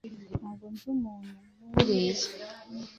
Ntabwo nzi umuntu nkuriya.